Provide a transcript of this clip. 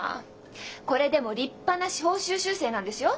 これでも立派な司法修習生なんですよ。